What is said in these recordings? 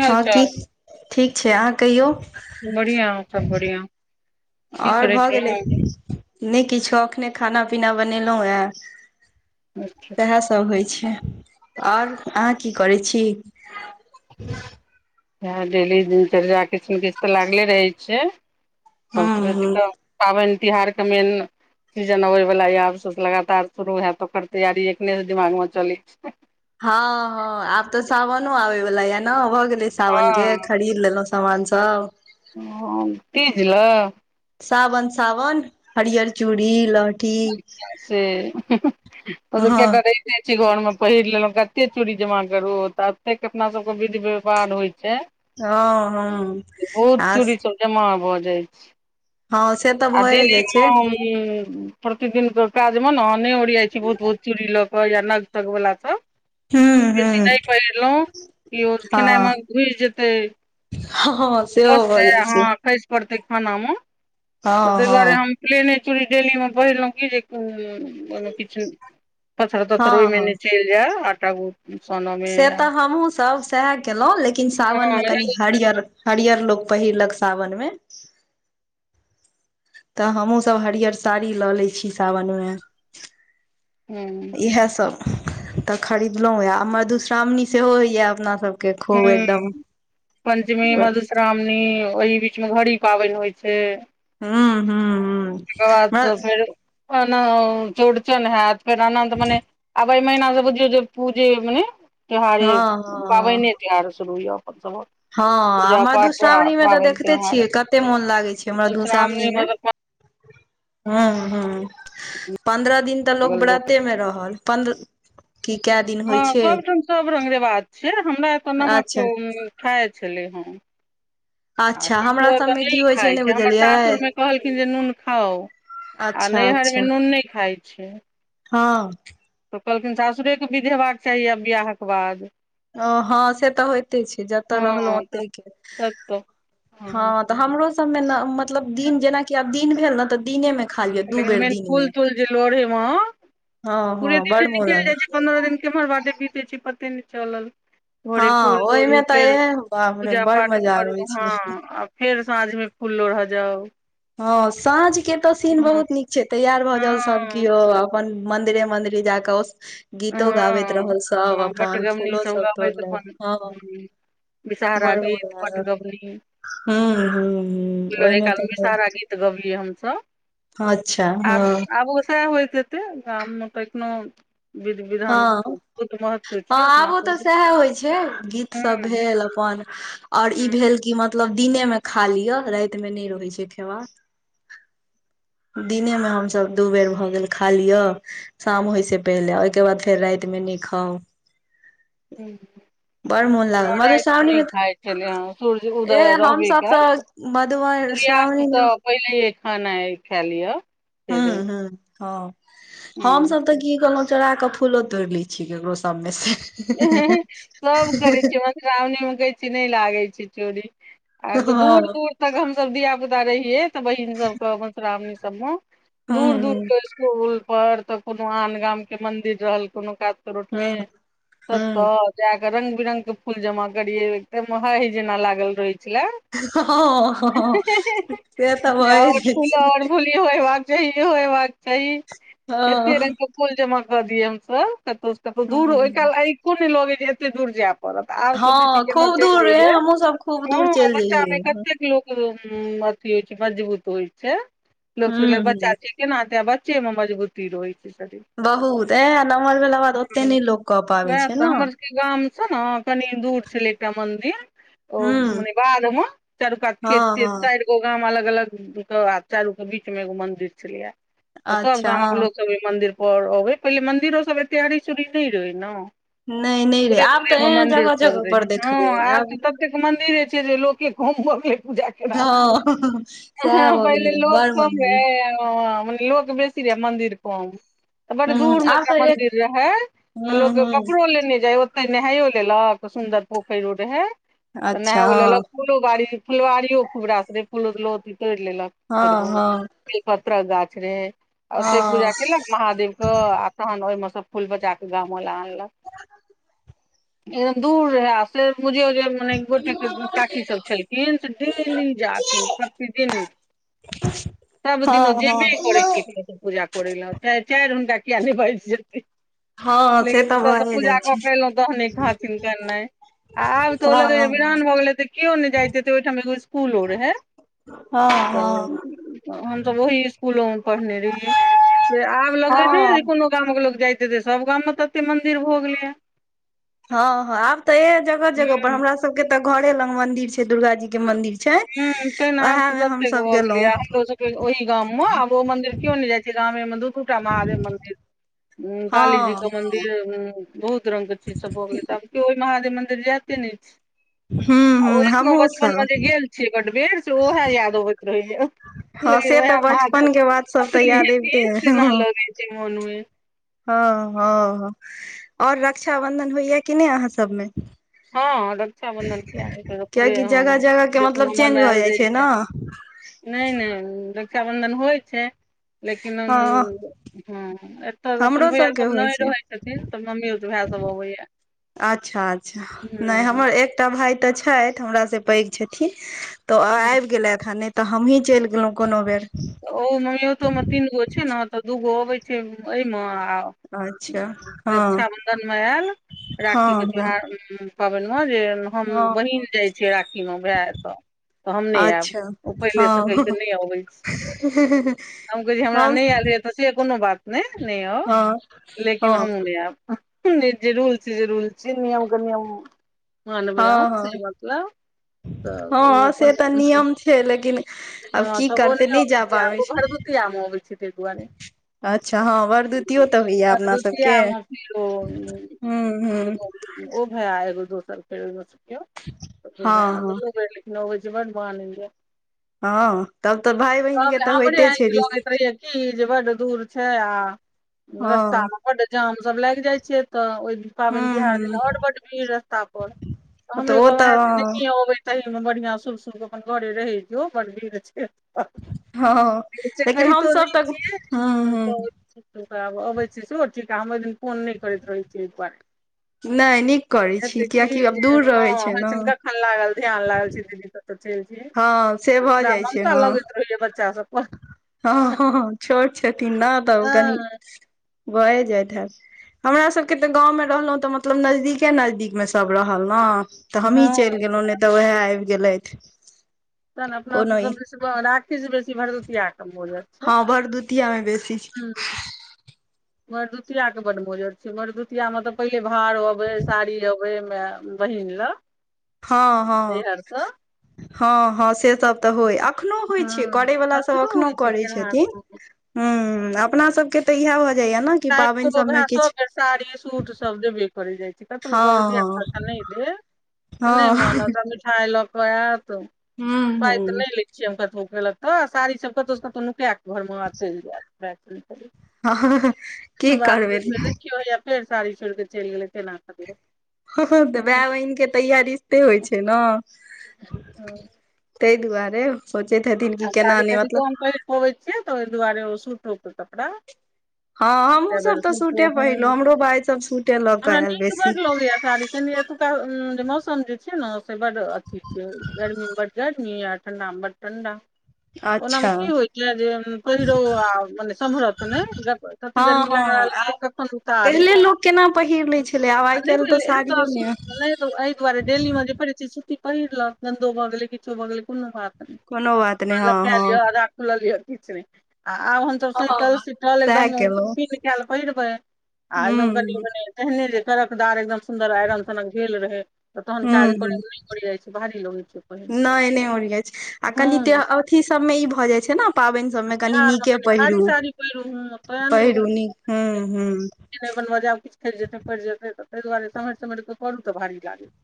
हाल हँ की चाल ठीक छै अहाँ कहियौ ' बढ़िया और सब बढ़िया की आओर करै भऽ गेलै छलौ नहि किछो अखने खाना पीना बनेलहुँ हे अच्छा तेहासे तब होई छै और अहाँ की करै छी इ डेली दिनचर्या कुछ ने कुछ तऽ लागले रहै छियै सब हूँ बेस हूँ तऽ पाबनि तिहारके मेन सीजन अबै वाला आब लगातार शुरू हय त ओकर तैयारी एकखने से दिमाग मे चलैत छै, हँ हँ आब तऽ सावनो आबे वाल ये ने भ गेले सावन हँ के खरीद लेलो ' समान सब ओ तीज ल सावन सावन हरिहर चूड़ी लहठी से ह ह ओत हँ केटा रहै [inaudible] जाई छी घर मे पहिर लेलहुं कते चुड़ी जमा करु त एतेक अपना सब के विध व्यावहार होइ छै हँ हँ बहुत आ चूड़ी सब जमा भऽ जाइ छै हँ से तऽ आ भए डेली जाइ छै प्रतिदिन के काजमे ने अहाँ नहि ओरियाइ छै बहुत बहुत चूड़ी लग क ओइला नग तग बला सब क हूँ बेसी नहि हूँ पहिरलहुँ ई ओ खेनाइ हँ मे घुस जेतै, हँ सेहो मस्ते भऽ अइ जाइ अहां छै अठाईस [inaudible] परतै खाना मे हँ त ताहि हँ द्वारेहम पलेने चुरी बजै छलहुं की जे ओहिमे किछु पत्थर तथर हँ ओहिमे हँ ने चलि जा आटाबु सम [inaudible] से तऽ हमहुँसभ सएह केलहुँ लेकिन सावनमे कनि हरियर ' हरियर लोक पहिरलक सावन मे ' तऽ हमहूँसभ हरियर साड़ी लऽ लै छी सावन मे ह इएहसभ तऽ खरीदलहुँ यै मधुश्रावणी सेहो होइयै अपना सभ हुँ पंचमी हूं मधु श्रावणी मधुश्रावणी ओहि बीच मे घड़ी पाबनि होय छै हू हू हू ओकर बाद स फेर ओ चौड़चनि हैयत फेर अनंत मने आब अय महिना स बुझियो जे पूजे मने त्योहारे हँ हँ पाबनि त्यौहार शुरू य अपन सभक हँ आ पूजा पाठ आ मधुश्रावणी मे तऽ पाबनि देखते तिहार छियै कते मोन लागै छै मधुश्रावणी मे ह्म ह्म पन्द्रह दिन तऽ लोक व्रते मे रहल पन्द्रह की क्या दिन हँ सबठाम सब रंग रिवाज छै हमरा एतय नमक अच्छा खाय छलै हं आ अच्छा ककरो हमरा एतऽ सबमे की नहि होइ खाय छै हमर बुझलियै सासुर मे कहलखिन जे नून खाउ आ अच्छा नैहरमे अच्छा नून नहि खाय छै हँ तऽ ओ कहलखिन सासुरेके विध हेबाक चाही आब बियाहक बाद ओ हँ से तऽ होइते छै जतऽ हँ रहलहुँ तऽ ओते के तब तऽ हँ तऽ हमरो सब मे ने मतलब दिन जेनाकि आब दिन भेल न तऽ दिने मे खा लिअ दू लेकिन बेर मेन दिन मे फूल तूल जे लोढ़े म हँ हँ पूरे दिने बड़ मोन निकलि लागै जाय छै पन्द्रह दिन केम्हर बाटे बीतै छै पते नहि चलल हँ भोरे फूल ओहिमे तोड़ू तऽ फेर ए बाप रे पूजा बड़ पाठ मजा करु आबै ह छै आब फेर साँझ मे फूल लोढ़ जाउ हँ साँझ के तऽ सीन हँ बहुत नीक छै तैयार भऽ जाउ सब केओ आब अपन मन्दिरे मन्दिरे जा कऽ ओ गीतो गाबैत हँ रहल सब हँ अपन बटगबनी फूलो सब गबैत तोड़लक अपन हँ हूँ, विषहारा गीत बटगबनी हूं हूं ओहिमे तऽ तऽ गबियै हमस अच्छा आब हँ आब ओस होय तै गाममे तऽ एखनो विध हँ विधान के हँ बहुत महत्व छै अपना आबो तऽ सब मे सएह होय छै गीत सब हँ भेल अपन आओर ई भेल की मतलब मतलब दिनेमे खा लिअ रातिमे नहि रहै छै खेबाक दिने मे हमसभ दू बेर भऽ गेल खा लिअ शाम होइसँ पहिले ओहिके बाद फेर रातिमे नै खाउ [unintelligible] बड़ मोन लागल रातिमे मधुश्रावणी नहि मे खाय छलै ह सूर्य उदय रहबे क‌एल मधुश्रावणीमे पहिलेहे खाना खाय लिअ हूं से रहै हं छै हँ खाउ हम हूँ सब तऽ की कहलौ चोरा कऽ फूलो तोड़ि लै छी ककरो सब मे से सभ करै छी मधुश्रावणीमे कहैत छै नहि लागैत छै चोरी आ दूर हँ दूर तक हमसब धिया पुता रहिये तऽ बहिन सबके मधुश्रावणी सब मे दूर दूर हूँ के स्कुल पर तऽ कोनो आन गाम के मंन्दिर रहल कोनो कात हूँ रोटमे हूँ हँ तत्तऽ जाकऽ रंग बिरंग के फूल जमा करिये एकदम हाय जेना लागल रहै छले हं हँ से तऽ भ‌ए जा जाय छले इहो हेबाक चाहि इहो हेबाक चाही ऐते हँ रंगक फुल जमा कऽ दिय हमसब कतौ स कतौ दूर ओय हूँ काल आऐको लगे जे एते दूर जायब आब सोचै छी हँ केना खूब दूर चलि रे जैयय हमहुँ सब खूब ह दूर चलि बच्चा मे जइयै कते [inaudible] केना त बच्चेमे हूँ हूँ मजबूती रहै होय छै बहुत एं नमहर भेला के बाद ओते न लोक कऽ पाबै उएह छै तऽ ने हूँ हमर सब के गाम सँ न कनि दूर छलै एकटा मन्दिर ओ हँ मने बाध म चारु कात खेत हँ च एगो गाम अलग अलग के चारू के बीच मे एगो मंदिर छलैया तऽ सब अच्छा गामक हँ लोकसभ मंदिर पर अबै पहिले मंन्दिरो सब एतरी चोरी नहि रहे ने नहि नहि रे पूरे आब तऽ दूरे ए मन्दिर जगह चल जगह पर रहे हँ देखबै आज आब तक एत एक मंदिर एय छै जे लोक के घमे पूजा हँ सएह भऽ पहिले गेलै बड़ लोकत मम्मी रह [unintelligible] बेसी रहै मंदिर तऽ बड हूँ दूर मे आब एकटा तऽ एक मदिर रहै तऽ हूँ लोक हूँ कपड़ो लेने जाइ ओते नहाइयो लेलक सुन्दर पोखरि रहै तऽ अच्छा नहा लेलक फूलो बाड़ी फुलबाड़ियो खूब रास रहै फूलो तोड़ि लेलक हँ थोड़े बहुत हँ बेलपत्रक गाछ रे आ ओते पूजा हँ केलक महादेव आ तहन ओहिमे सब फूल बचा क गामो ला आनलक एकदम दूर रहै से बझियो जे मने गोटे काकी सब छलखिन से डेली जात प्रतिदिन सब दिन सब हँ हँ जेबे करै छै ओ पूजा प चार हुनका किया नहि बेज जेते हँ हँ से लेकिन तऽ ओतयसँ भए जाइ पूजा कऽ क छै के एलहुँ तहने खाथिन नाइ आब तऽ ओ हँ लगै जे हँ विरान भऽ गेलै तऽ केओ नहि जाइते ते ओहिठाम फूलो रहे है हँ तऽ हमस ओहि स्सकुलो मे पढ़ने रहियै आब लगे ने यो हँ कोनो गाम के लोकोग जायते ते सब गाम मे तऽ एते मंदिर भऽ गेलै है हँ हँ आब तऽ ए जगह जगह पर हूँ हमरा सब के ते घरे लग मंदिर छै दुर्गा जी के मंदिर छै छै हूँ तै ने आब उएहा तऽ मे ततेक हमसभ भऽ गेलहुॅं गेलैया हमरो ओहि गाम मे आब ओ मंदिर केयो ने जाय छै गामे मे दू महादेव मंदिर काली जी हँ के मंदिर बहुत रंगग ची सब हो गेलै त आब केयो ओहि महादेव मन्दिर जाये ने छै हूँ हूँ ओ एखनो हमहुँ बचपनमे जे सब गेल छियै बटबेर से उएह याद अबैत रहैया हँ से तऽ म बचपन के बात सब तऽ असलि याद अबिते न लगे छै मोनू [unintelligible] ह ह ओर रक्षाबंधन होइय कि नहि अहाँ सबमे हँ रक्षााबंधन किया ने हेतै ई ते पूरे कियाकि जगह जगह के मतलब जस्न चेंज भऽ मनायल जाइ ने छै नहि नहि रक्षाबन्धन होइ छै लेकिन हँ हँ ' तब अपन हमरो भैया सबके सब होइ नहि छै रहै छथिन तऽ मम्मीयोत भाय सब अबैया अच्छा अच्छा नहि हूँ हमर एकटा भाय तऽ छथि हमरासँ पैघ छथिन। तऽ हूँ आबि गेलेथ ह नहि तऽ हमहीँ चलि गेलहुँ कोनो बेर ओ ममियतो मे तीन गो छै ने तऽ दूगो अबै छै एहिमे आ अच्छा ' हँ रक्षााबंधन मे याल राखी हँ के हँ त्योहार पाबनिमे जे हम हँ बहिन जाइ छै राखीमे भाय तऽ तऽ हम नहि आयब अच्छा ओ पहिले हँ सैके हम नहि अबै छै कह हमरा नहि आयल य तऽ से कोनो बात नहि हँ नहि लेकिन हँ हम ने जे रूल छै जे रूल छै नियम कनियम [inaudible] ह अनभया हँ सी बात [unintelligible] तऽ ओ हँ से तऽ नियम छै लेकिन आब की तऽ को करतै नहि जा [unintelligible] पाबै गो छै भर दू त आम होबै छैठेगुआ नहि [unintelligible] अच्छा हँ वरदुतियो तऽ होइ या अपना भरदुतिया सभके मे फेर ओ हुहु ओ भय एगो दोसर ख मे हँ हँ भय [unintelligible] नवज बन बान [unintelligible] हँ तब तऽ भाय बहिन तब के तऽ हमरे होइते छै आँखि लगैत रहैया की बड दूर छै आ हँ रस्ता हूँ बड्ड जाम सब लाग जाइ छै तऽ ओहि पाबनि तिहार देला और बड भीड़ रस्ता पर हूँ तऽ हमरे ओ गाँव व तऽ अबे ' ता मे बढ़ियां शुभ शुभ अपन घरे रहै जयो बड़ भीर छै हँ से लेकिन कहितो हमसभ नहि तऽ हु हु छियै आब अबैत छी स ठीक हम ओहि दिन फोन नहि करैत रहैत छीियै एक दुआरे नहि नीक करै एत छी की कियकि आब जे दूर रहै छै ने हँ लागल ध्यान लागल छी दीदी सब त चल छ हँ से भऽ हमरा जाइ छै ममता हँ लगैत रहले बच्चा सब पर हँ हँ छोट छथिन नहि तऽ कनी हँ भए जाइत हमरा सबके तऽ गाँवमे रहलहुँं तऽ मतलब नजदीके नजदीक मे सब रहल ने तऽ हमही चलि हँ गेलहुँ नहि तऽ उएह आबि गेलथ तह ने अपना सब राखी बेसी भरदुतिआ कम हो जात हाँ भरदूतिया मे बेसी भरदुतआके बड मजर छै भरदुतियामे तऽ पहिले भार अबै साड़ी अबै म बहिन ल हँ हँ परस [unintelligible] हँ हँ से सब तऽ होइ एखनो होइ हँ छै करैवला आब सभ कहाँ एखनो होइ छै करै केनहार छथिन ह अपना सबके तऽ इएह भऽ जाइया ने कि पाबनि सबमे किछु तोसर साड़ी सूट सब दे बे जाइ छै तऽ तु क भी दी हँ नहि दे त नहि हँ मन तऽ मिठाई लऽ कऽ आयत त हँ हूँ पाइ त हूँ ने लै कतब केलक तऽ साड़ी सब कतहु कतहु नुका क घर मे चलि जायत ह बादमेर देखियौा फेर साड़ी छोड़के चल गेल तेन आख द तऽ भाय बहिनके तैय रिश्ते होइ छै ने ताहि दुआरे सोचैत हेथिन कि केना नहि मतलब होइ छैियै तऽ ओहि दुआारे ओ सूट क कपड़ा हँ हमहुँ सब तऽ सुूतो सूटे पहिरलहुँ हमरो भाय सब सूटे लऽ कऽ हमरा आयल नीक बेसी बड लगै य साड़ी कनि एतुका जे मौसम जे छै ने से बड अथी छै गर्मीमे बड गर्मी य ठण्डामे बड ठण्डा ओनामे अच्छा की होइ छै जे पहिरो आ मने समरत नै कती हँ गरमी हँ लाग रहल आब कखन उताु पहिले लोक केना पहिर लै छलै आब आइ काल्हि तऽ साड़ियो ने नहि ऐआारे डेल म परस्थित सुटी पहिर ल गन्दो भगै किच भगै कोनो बात नहि कोनोबात लपटा लियआधा खुलल लि किछ नहि आ आब हमसभ सैतल सीतल सएह एकदमन केलहुँ पहि रहपै आ एकदम हुँ कनिनी एहने जे कड़क दार एकदम सुंन्दर आइरन सनक भेल रहे त तहन हुँ काज हुँ करय ल नहि कर जाइ छै भाही लगै छै पहिने ह ी सब मे ई भए जाय छै ने पाबनि सबमे कनी बिहारमे नीके कनि पहिरू भारी साड़ी पहिरू हँ तैं नहि पहिरू नीक ह ह नहि बनबऽ जा आब किछु खेलि जेतै पड़ि जेतै ता दुआरे सम्ि समहर कऽ प करू तऽ भारी लागतै [inaudible]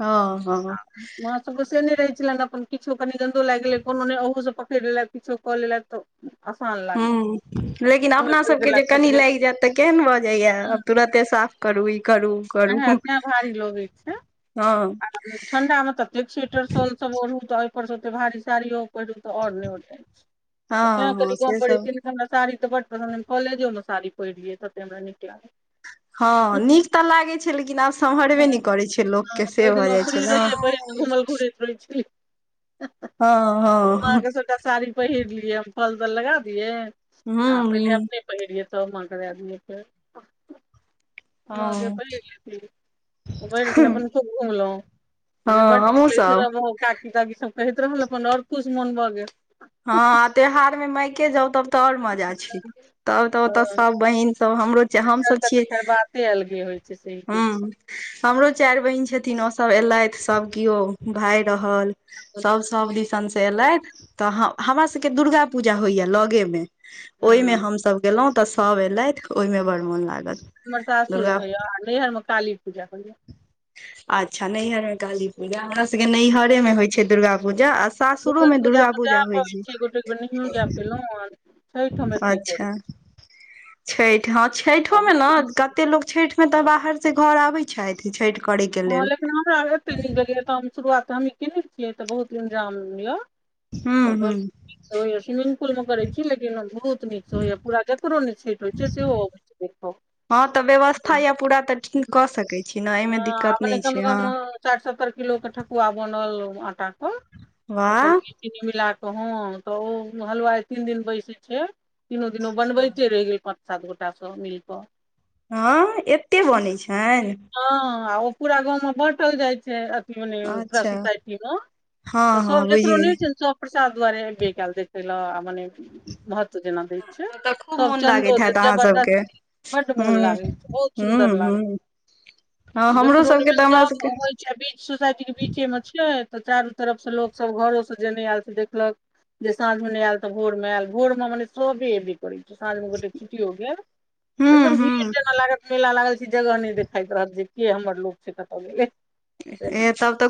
हँ हँ वहां सबके से नहि रहै छलनि अपन किछो कनी गन्दो लागि गेले कोनो ने ओहो सब पकड़ि लेलथि किछो कऽ लेलथि तऽ आसान लागै ह लेकिन अपना पकड़ि सबके जे देलक कनि ककरो लागि जायत तऽ केहन भऽ जाइया आब तुरते साफ करू ई करू करू इहै तैं भारी लगैत छै हँ आ ठंडा मे तऽ ज स्वेटर सोन सब ओढ़ू तऽ ओहिपरसँ ओते भारी साड़ियो पहिरू तऽ आओर नहि ओढ़ ते हँ हँ कनि को से पड़ी सब हमरा साड़ी त बड पसन्द कॉलेजों में साड़ी पहिड़ तऽ हमरा निकल हँ नीक तऽ लागै छै लेकिन आब सम्हरबे नहि करै छै लोकके से ओहि भऽ दिना जाइ छै ने ठ [unintelligible] हँ हँ अहाँके सबटा साड़ी पहिरलियै हम फल तल लगा दियै हुँ ह पहिले अब हुँ नहि पहिरियै तऽ मा क दिय फेर [inaudible] मा गे हँ पहिर लेभि भैर दिन अपन खूब घुमलौ हँ बड हमहुँ निकलै छै सब त काकी ताकी सब कहैत रहल अपन आओर खुश मोन भऽ गेल हँ त्योहार मे मायके जाउ तब त आओर मजा छै तब त ओते तऽ सब बहिन सब हमरो एकर हमसब तऽ छियै खैर बाते अलगे होइ छै सही कहै हूं छी हमरो चारि बहिन छथिन ओसभ एलथि सभ केओ भाय रहल हँ सभ सभ दिसन से एलथि तऽ हमरा सभके दुर्गा पूजा होइया लगेमे ओहिमे हमसभ गेलौ तऽ सभ एलथि ओहिमे बड़ मोन लागल हमर दुर्गा सासुरमे होइया आ नैहरमे काली पूजा होइए अच्छा नैहरमे काली पूजा हमर सभके नैहरेमे होय छै दुर्गा पूजा आ सासुरो मे दुर्गा पुजा जा पबै छै गोटे ग नहि यो जा पैलो अच्छा छठि हँ छठोमे न छी कते लोक छठि मे तऽ बाहर से घर आबै छथि छठि करै के हँ लेल लेकिन हमरा एते नीक गेलियै तऽ हम शुरुआतऽ हमही केने छियै तऽ बहुत इन्जाम ये ह ह अपन स्विमिंग पुल मे करै छी लेकिन बहुत तनी हो पूरा ककरो छठि होय य सेहो अबै छै हँ तऽ व्यवस्था देख य पूरा तऽ कऽ सकै छी न एहि मे आ दिक्कत मने नहि कम से छै कम ह साठि सत्तर किलो के ठकुआ बनल आटा क वाह चीनी मिलाकऽ हँ तऽ ओ हलुवाय तीन दिन बैसै छै तीनो दिनू बनबैते रहि गेल पाँच सात गोटास सब मिल कऽ हँ एते बनै छनि हँ आ ओ पूरा गाँव में बाँटल जाय छै मने पुरा अच्छा सोसाइटी मे तऽ हँ सब हँ बुझि जकरो नहि गेली होयत छै न सब प्रसाद दुआरे एबे क‌एल देखै ल मने महत्व जना दै छै तऽ खूब सब मोन चन्दो लागैत हत देत अहाँ सबके जबरदस्ती बड्ड ह मोन लागै छै ह बहुत सुन्दर लागै ह हँ हमरो जकरो नहि सबके भेल तऽ हमरा सब सबके अबैत बीच सोसाइटीक के बीचे मे छै तऽ चारू तरफसँ लोकसभ घरोसँ जेने आयल से देखलक जे सााँझ मे ने आयल तऽ भोर मे आयल भोर में मने सबे एबै करै छै साँझ में गोटे छुट्टीयों गेल ह एकदम भीड़ ह जेना लागत मेला लागल छै जगह नहि देख खाइत रहत जे के हमर लोक छै कत गेलै तेना ए तब तऽ